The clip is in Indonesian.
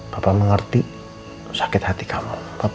bapak mengerti sakit hati kamu